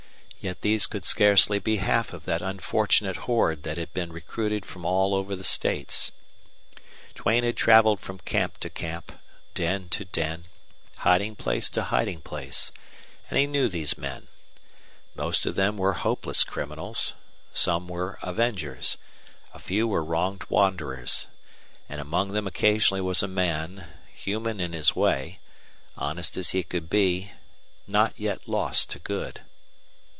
Yet these could scarcely be half of that unfortunate horde which had been recruited from all over the states. Duane had traveled from camp to camp, den to den, hiding place to hiding place, and he knew these men. Most of them were hopeless criminals; some were avengers; a few were wronged wanderers; and among them occasionally was a man, human in his way, honest as he could be, not yet lost to good.